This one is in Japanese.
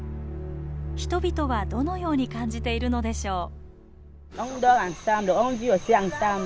人々はどのように感じているのでしょう。